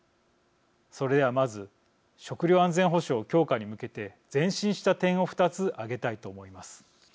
それではまず食料安全保障強化に向けて前進した点を２つ挙げたいと思います。